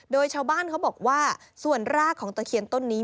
โดยชาวบ้านเขาบอกว่าส่วนรากของตะเคียนต้นนี้